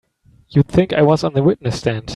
You'd think I was on the witness stand!